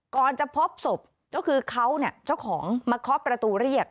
ก่อนจะพบศพก็คือเขาเนี่ยเจ้าของมาเคาะประตูเรียก